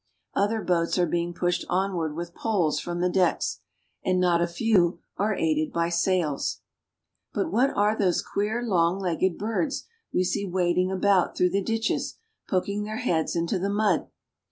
Other boats are being pushed onward with poles from the decks, and not a few are aided by sails. Storks. A COUNTRY BELOW THE SEA. 139 But what are those queer long legged birds we see wad ing about through the ditches, poking their heads into the mud